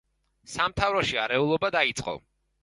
სამთავროში არეულობა დაიწყო.